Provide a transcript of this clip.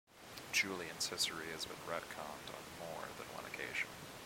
Julian's history has been retconned on more than one occasion.